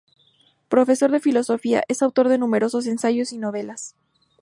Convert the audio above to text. Profesor de Filosofía, es autor de numerosos ensayos y novelas.